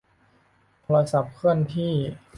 โทรศัพท์เคลื่อนที่